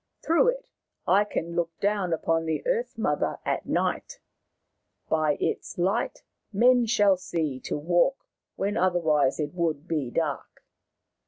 Through it I can look down upon the Earth mother at night ; by its light men shall see to walk when otherwise it would be dark.